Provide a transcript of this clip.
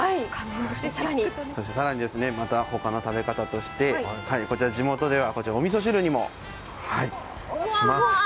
そして更にほかの食べ方として地元ではおみそ汁にもします。